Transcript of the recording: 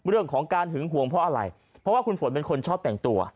เรื่องของการหึงห่วงเพราะอะไรเพราะว่าคุณฝนเป็นคนชอบแต่งตัว